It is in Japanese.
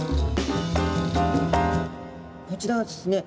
こちらはですね